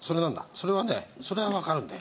それはねそれはわかるんだよ。